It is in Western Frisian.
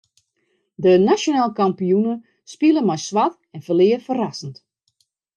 De nasjonaal kampioene spile mei swart en ferlear ferrassend.